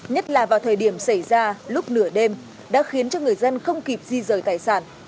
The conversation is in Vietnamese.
nhất là vào thời điểm xảy ra lúc nửa đêm đã khiến cho người dân không kịp di rời tài sản